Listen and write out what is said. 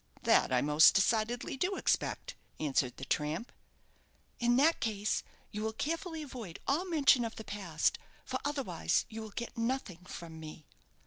"That I most decidedly do expect," answered the tramp. "In that case, you will carefully avoid all mention of the past, for otherwise you will get nothing from me."